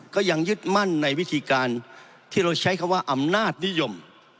ก็ยังยึดมั่นในวิธีการที่เราใช้คำว่าอำนาจนิยม